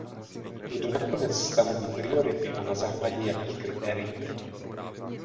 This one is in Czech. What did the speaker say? Kdo nakonec stanoví priority a na základě jakých kritérií?